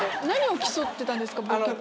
何を競ってたんですか？